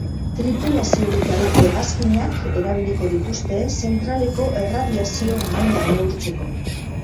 Tripulaziorik gabeko hegazkinak erabiliko dituzte zentraleko erradiazio maila neurtzeko.